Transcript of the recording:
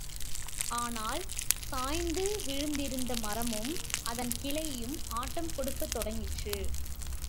ஆனால், சாய்ந்து விழுந்திருந்த மரமும் அதன் கிளையும் ஆட்டம் கொடுக்கத் தொடங்கிற்று.